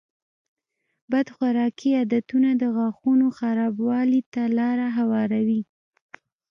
بد خوراکي عادتونه د غاښونو خرابوالي ته لاره هواروي.